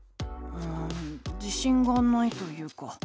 うん自しんがないというか。